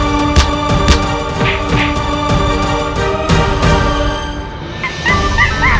masjurit tangkap mereka